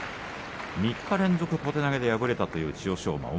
３日連続、小手投げで破れるという千代翔馬です。